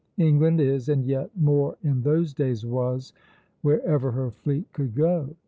England is, and yet more in those days was, wherever her fleet could go.